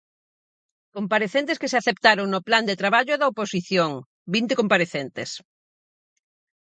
Comparecentes que se aceptaron no plan de traballo da oposición: vinte comparecentes.